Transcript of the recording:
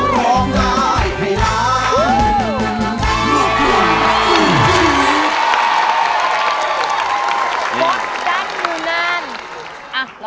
ลดจัดอยู่นาน